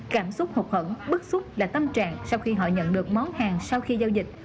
cảm xúc học khẩn bức xúc là tâm trạng sau khi họ nhận được món hàng sau khi giao dịch